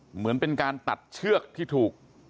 เหมือนเป็นการตัดเชือกที่ถูก